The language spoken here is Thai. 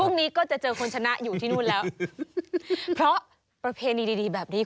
นี้ก็จะเจอคนชนะอยู่ที่นู่นแล้วเพราะประเพณีดีดีแบบนี้